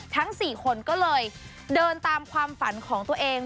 ทั้ง๔คนก็เลยเดินตามความฝันของตัวเอง